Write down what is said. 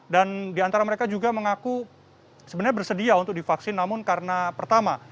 dan di antara mereka juga mengaku sebenarnya bersedia untuk divaksin namun karena pertama